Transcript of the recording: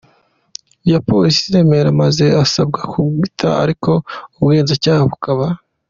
ya polisi i Remera, maze asabwa kubwitaba ariko ubugenzacyaha bukaba